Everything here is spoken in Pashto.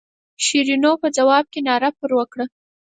شیرینو په ځواب کې ناره پر وکړه.